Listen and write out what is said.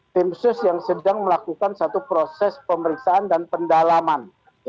tim sus yang sedang melakukan satu proses pemeriksaan dan pendalaman